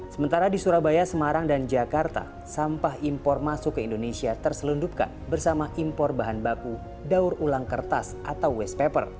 sementara di surabaya semarang dan jakarta sampah impor masuk ke indonesia terselundupkan bersama impor bahan baku daur ulang kertas atau waste paper